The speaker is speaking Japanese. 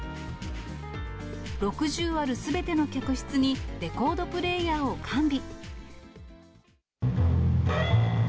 ６０あるすべての客室にレコードプレーヤーを完備。